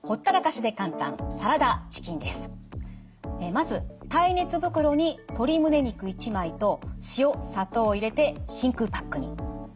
まず耐熱袋に鶏胸肉１枚と塩砂糖を入れて真空パックに。